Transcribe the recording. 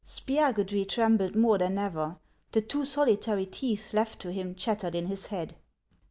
" Spiagudry trembled more than ever; the two solitary teeth left to him chattered in his head.